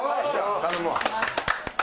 頼むわ。